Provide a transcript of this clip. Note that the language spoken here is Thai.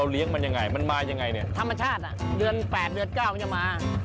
เดือน๘เดือน๙มันจะมา